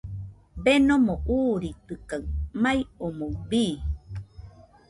Denomo uuritɨkaɨ, mai omoɨ bii.